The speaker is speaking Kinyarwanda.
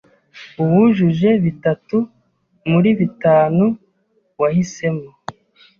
uwujuje bitatu muri bitanu wahisemo,